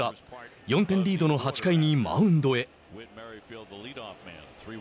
４点リードの８回にマウンドへ。